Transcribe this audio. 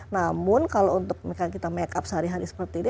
namun kalau untuk kita makeup sehari hari seperti ini